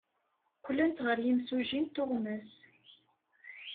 Qqlent ɣer yimsujji n tuɣmas.